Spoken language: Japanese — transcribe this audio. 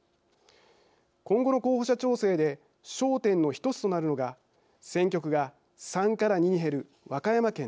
今後の候補者調整で焦点の１つとなるのが選挙区が３から２に減る和歌山県です。